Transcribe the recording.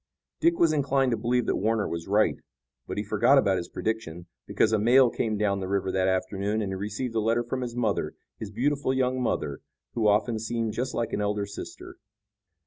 Dick was inclined to believe that Warner was right, but he forgot about his prediction, because a mail came down the river that afternoon, and he received a letter from his mother, his beautiful young mother, who often seemed just like an elder sister.